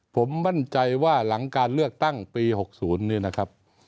ผมมั่นใจว่าหลังการเลือกตั้งปี๖๐นี่นะครับ